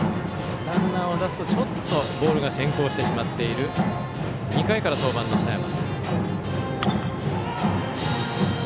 ランナーを出すとちょっとボールが先行してしまっている２回から登板の佐山。